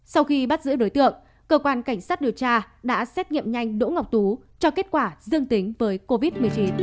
sau khi bắt giữ đối tượng cơ quan cảnh sát điều tra đã xét nghiệm nhanh đỗ ngọc tú cho kết quả dương tính với covid một mươi chín